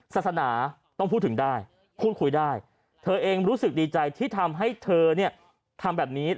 ศาสนาต้องพูดถึงได้พูดคุยได้เธอเองรู้สึกดีใจที่ทำให้เธอเนี่ยทำแบบนี้